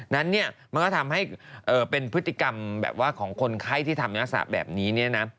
แล้วนี้มันก็ทำให้เป็นพฤติกรรมแบบว่าของคนไข้ที่ทำอย่างงักศาสตร์แบบนี้